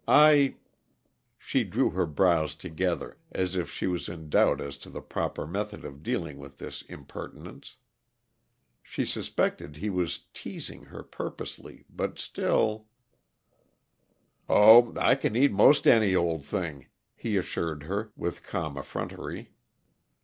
I " She drew her brows together, as if she was in doubt as to the proper method of dealing with this impertinence. She suspected that he was teasing her purposely, but still "Oh, I can eat 'most any old thing," he assured her, with calm effrontery.